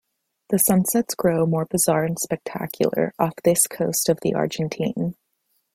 The sunsets grow more bizarre and spectacular off this coast of the Argentine.